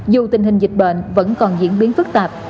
dù tình hình dịch bệnh vẫn còn diễn biến phức tạp